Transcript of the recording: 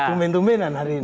tumen tumenan hari ini